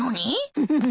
ウフフフ。